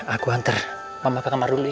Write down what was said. aku hantar mama ke kamar dulu ya